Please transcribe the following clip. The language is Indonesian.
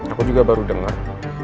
aku juga baru dengar